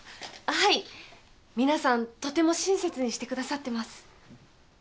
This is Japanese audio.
はい皆さんとても親切にしてくださってます。